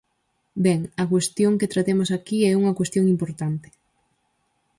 Ben, a cuestión que traemos aquí é unha cuestión importante.